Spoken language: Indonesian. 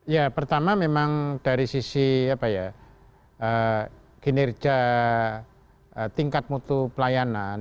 ya pertama memang dari sisi kinerja tingkat mutu pelayanan